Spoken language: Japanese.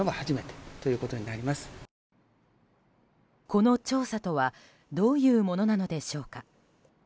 この調査とはどういうものなのでしょうか。